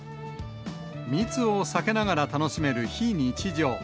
密を避けながら楽しめる非日常。